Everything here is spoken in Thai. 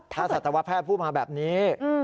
ถ้าสัตวแพทย์พูดมาแบบนี้